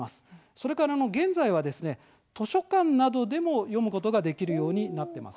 それから現在は図書館などでも読むことができるようになっています。